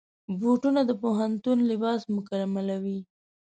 بوټونه د پوهنتون لباس مکملوي.